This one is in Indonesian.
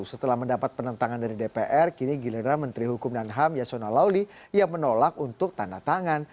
setelah mendapat penentangan dari dpr kini giliran menteri hukum dan ham yasona lawli yang menolak untuk tanda tangan